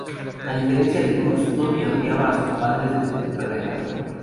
A diferencia de Bruce, Tommy odiaba a sus padres desde temprana edad.